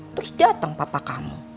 terus datang papa kamu